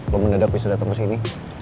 lu mendadak bisa dateng kesini